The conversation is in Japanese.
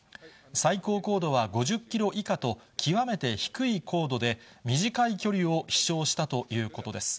最高高度は５０キロ以下と、極めて低い高度で、短い距離を飛しょうしたということです。